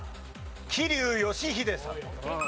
桐生祥秀さん。